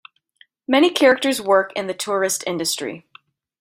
Many characters work in the tourist industry.